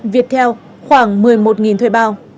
viettel khoảng một mươi một thuê bao